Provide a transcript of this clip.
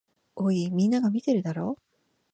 おい、みんなが見てるだろ。